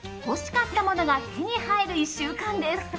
欲しかったものが手に入る１週間です。